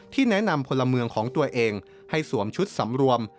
แนะนำพลเมืองของตัวเองให้สวมชุดสำรวม